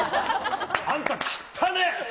あんた、きったねぇ。